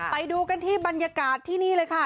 ไปดูกันที่บรรยากาศที่นี่เลยค่ะ